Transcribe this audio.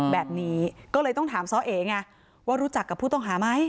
แบบนี้ก็เลยต้องถามซ้อเอไงว่ารู้จักกับผู้ต้องหาไหม